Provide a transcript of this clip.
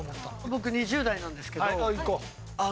僕２０代なんですけど。